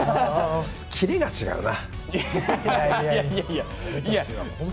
キレが違うな。